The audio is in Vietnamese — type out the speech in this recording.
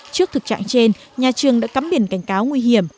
trước thực trạng trên nhà trường đã cắm biển cảnh cáo nguy hiểm